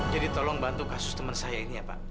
jadi tolong bantu kasus temen saya ini ya pak